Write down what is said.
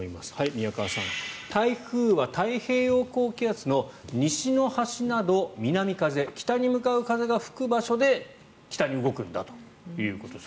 宮川さん、台風は太平洋高気圧の西の端など南風、北に向かう風が吹く場所で北に動くんだということです。